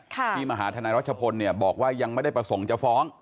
ที่มาหาทนายรัชพลเนี่ยบอกว่ายังไม่ได้ประสงค์จะฟ้อง